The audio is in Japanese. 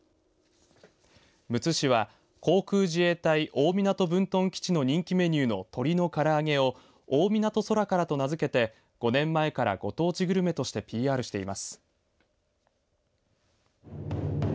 むつ市は航空自衛隊大湊分屯基地の人気メニューの鳥のから揚げを大湊Ｓｏｒａ空っ！と名付けて５年前からご当地グルメとしてＰＲしています。